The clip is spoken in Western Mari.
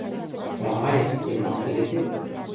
— Мамаев, тӹнь мам келесет?